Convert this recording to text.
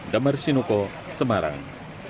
damar sinuko semarang